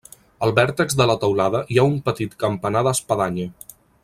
Al vèrtex de la teulada hi ha un petit campanar d'espadanya.